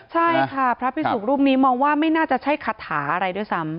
ใช่ค่ะพระพิสุกรูปนี้มองว่าไม่น่าจะใช่คาถาอะไรด้วยซ้ำ